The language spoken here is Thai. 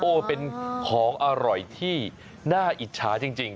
เป็นของอร่อยที่น่าอิจฉาจริง